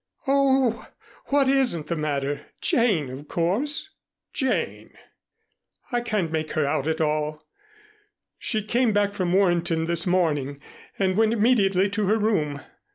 "Oh, what isn't the matter? Jane, of course!" "Jane!" "I can't make her out at all. She came back from Warrenton this morning and went immediately to her room.